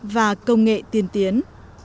và công nghệ tiên tiến